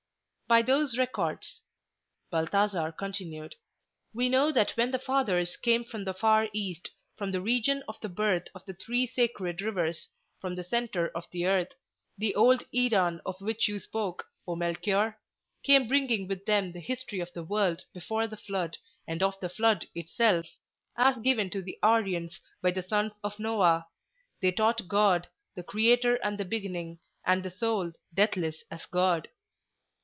"By those records," Balthasar continued, "we know that when the fathers came from the far East, from the region of the birth of the three sacred rivers, from the centre of the earth—the Old Iran of which you spoke, O Melchior—came bringing with them the history of the world before the Flood, and of the Flood itself, as given to the Aryans by the sons of Noah, they taught God, the Creator and the Beginning, and the Soul, deathless as God.